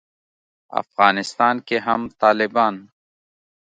افغانستان کې هم طالبان